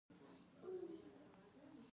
د مافوق احترام پکار دی